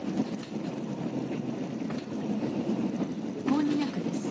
こんにゃくです。